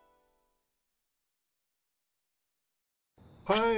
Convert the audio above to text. はい。